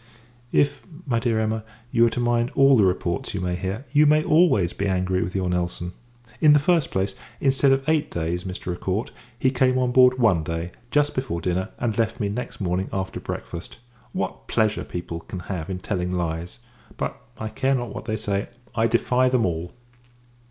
If, my dear Emma, you are to mind all the reports you may hear, you may always be angry with your Nelson. In the first place, instead of eight days, Mr. Acourt; he came on board one day, just before dinner, and left me next morning, after breakfast. What pleasure people can have in telling lies! But, I care not what they say; I defy them all.